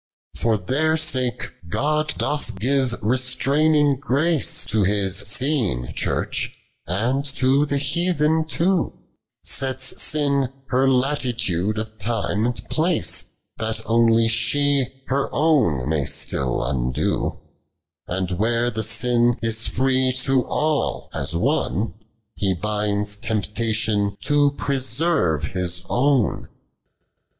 112. For their sake, God doth give restraining grace To His seen Charch, and to the heathen too ; Sets sin her latitude of time and place, That onely she her own may still undoc ; And where the sin is free to all, as one. He binds temptation to preserve His own.